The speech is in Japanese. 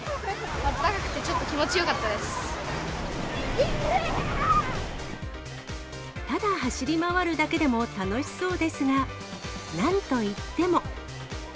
あったかくて、ただ走り回るだけでも楽しそうですが、なんといっても。